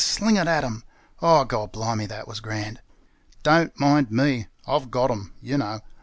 Sling it at 'em! Oh! Gorbli'me, that was grand! 'Don't mind me; I've got 'em. You know!